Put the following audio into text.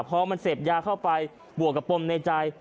พอมันเสพยาเข้าไปบวกกับปมในใจ